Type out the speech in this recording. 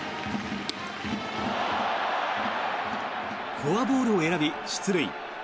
フォアボールを選び出塁。